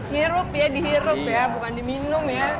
hirup ya dihirup ya bukan diminum ya